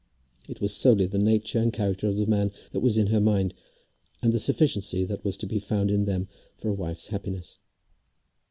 It was solely the nature and character of the man that was in her mind, and the sufficiency that was to be found in them for a wife's happiness.